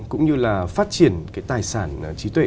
cũng như là phát triển cái tài sản trí tuệ